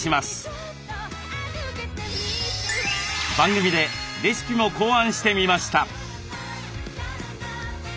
番組でレシピも考案してみました。